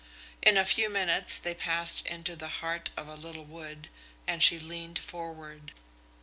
In a few minutes they passed into the heart of a little wood, and she leaned forward.